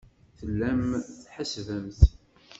Tellamt tḥessbemt.